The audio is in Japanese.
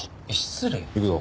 行くぞ。